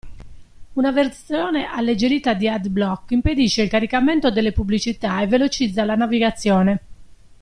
Una versione alleggerita di AdBlock, impedisce il caricamento delle pubblicità e velocizza la navigazione.